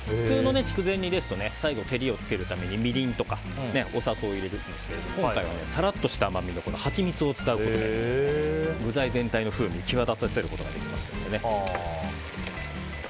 普通の筑前煮ですと最後、照りをつけるためにみりんとか、お砂糖を入れるんですが、今回はさらっとした甘みのはちみつを使うことで具材全体の風味を際立たせることができますので。